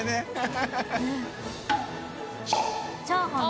チャーハンだ。